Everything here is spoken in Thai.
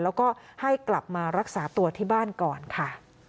แล้วก็ให้กลับมารักษาตัวที่บ้านก่อนค่ะ